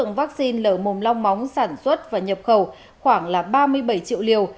vaccine lở mồm long móng sản xuất và nhập khẩu khoảng ba mươi bảy triệu liều